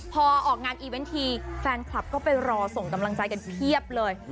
พอออกงานอีเวนต์ทีแฟนคลับก็ไปรอส่งกำลังใจกันเพียบเลย